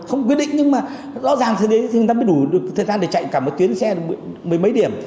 không quyết định nhưng mà rõ ràng là đủ thời gian để chạy cả một tuyến xe mười mấy điểm